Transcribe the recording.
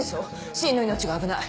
芯の命が危ない。